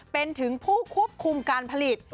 เป็นถึงผู้ควบคุมการผลิต